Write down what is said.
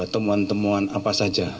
temuan temuan apa saja